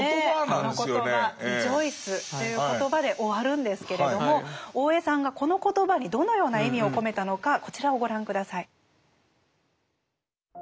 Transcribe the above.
「Ｒｅｊｏｉｃｅ！」という言葉で終わるんですけれども大江さんがこの言葉にどのような意味を込めたのかこちらをご覧下さい。